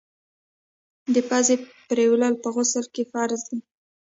د پزي پرېولل په غسل کي فرض دي.